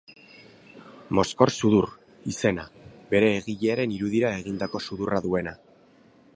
Mozkor-sudur, iz. Bere egilearen irudira egindako sudurra duena.